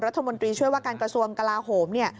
รัฐมนตรีช่วยวการกระทรวงกะลาโฆม